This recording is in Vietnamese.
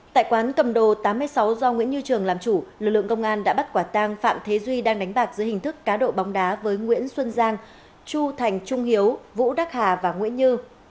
tại quán cầm đồ tám mươi sáu do nguyễn như trường làm chủ lực lượng công an đã bắt quả tang phạm thế duy đang đánh bạc giữa hình thức cá độ bóng đá với nguyễn xuân giang chu thành trung hiếu vũ đắc hà và nguyễn như